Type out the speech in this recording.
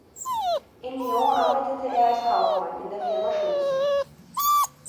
In Lyon arbeitete er als Kaufmann in der Firma Schütz.